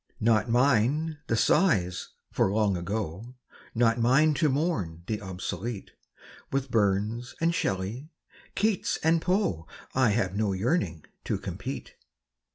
Not mine the sighs for Long Ago; Not mine to mourn the obsolete; With Burns and Shelley, Keats and Poe I have no yearning to compete.